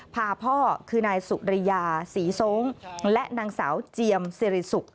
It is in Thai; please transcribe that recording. พาพ่อคือนายสุริยาศรีทรงและนางสาวเจียมสิริสุก